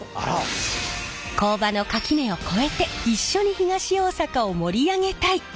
工場の垣根を超えて一緒に東大阪を盛り上げたい！